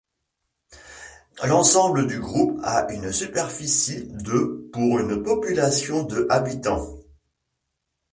L'ensemble du groupe a une superficie de pour une population de habitants.